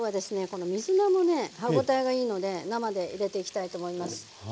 この水菜もね歯応えがいいので生で入れていきたいと思います。